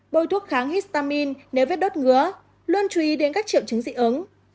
bôi thuốc kháng histamin nếu vết đốt ngứa luôn chú ý đến các triệu chứng dị ứng